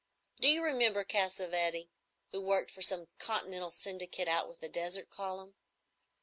Do you remember Cassavetti, who worked for some continental syndicate, out with the desert column?